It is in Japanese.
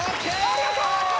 ありがとう！